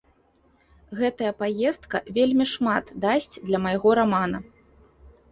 Гэтая паездка вельмі шмат дасць для майго рамана.